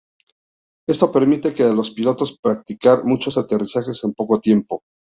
Esto permite a los pilotos practicar muchos aterrizajes en poco tiempo.